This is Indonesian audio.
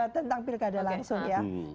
tentang pilkada langsung ya